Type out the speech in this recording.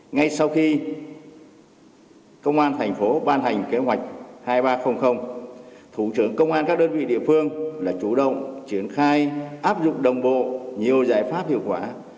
ngay sau khi công an thành phố ban hành kế hoạch hai nghìn ba trăm linh thủ trưởng công an các đơn vị địa phương đã chủ động triển khai áp dụng đồng bộ nhiều giải pháp hiệu quả